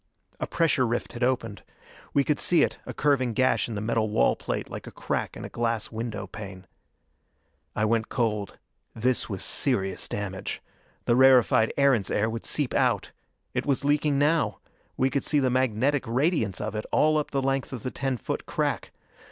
A pressure rift had opened. We could see it, a curving gash in the metal wall plate like a crack in a glass window pane. I went cold. This was serious damage! The rarefied Erentz air would seep out. It was leaking now: we could see the magnetic radiance of it all up the length of the ten foot crack.